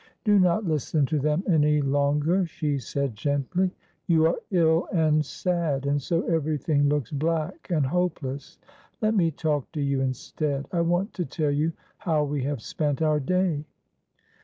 "Do not listen to them any longer," she said, gently. "You are ill and sad, and so everything looks black and hopeless let me talk to you instead; I want to tell you how we have spent our day."